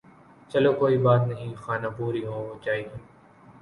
چلو کوئی بات نہیں خانہ پوری ھو جاے گی